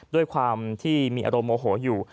ด้วยความที่มีอารมณ์โมโหอยู่